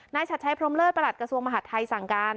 นายชัดใช้พร้อมเลิศประหลัดกระทรวงมหาธรรมไทยสั่งการ